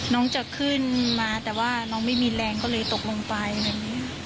น้องจะขึ้นมาแต่ว่าน้องไม่มีแรงก็เลยตกลงไปอะไรอย่างนี้